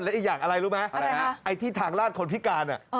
และอีกอย่างอะไรรู้ไหมไอ้ที่ทางราชคนพิการ